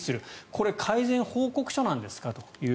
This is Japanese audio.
これ改善報告書なんですか？と。